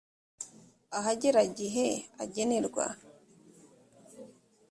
ahagera gihe agenerwa .